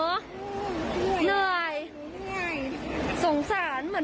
กลับเข้ากันแล้วกัน